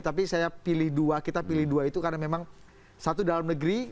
tapi saya pilih dua kita pilih dua itu karena memang satu dalam negeri